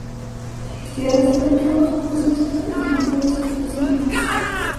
Las tiradas iban desde unos pocos cientos de ejemplares hasta tres mil o más.